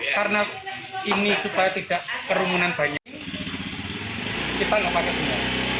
karena ini supaya tidak kerumunan banyak kita pakai semua